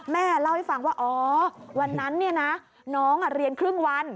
แม่เล่าให้ฟังว่าอ๋อวันนั้นเนี่ยนะน้องเรียนครึ่งวัน